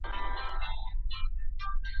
د وفادارۍ په بدل کي حقونه ورکول کيږي.